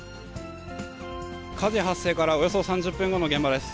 火事発生からおよそ３０分後の現場です。